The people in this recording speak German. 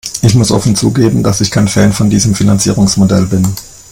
Ich muss offen zugeben, dass ich kein Fan von diesem Finanzierungsmodell bin.